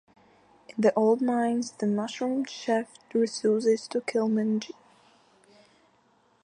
In the Old Mines, the Mushroom chief refuses to kill Mingy.